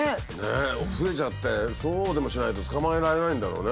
増えちゃってそうでもしないと捕まえられないんだろうね。